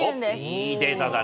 いいデータだね。